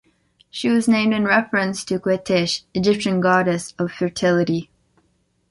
She has been named in reference to Qetesh, Egyptian goddess of fertility.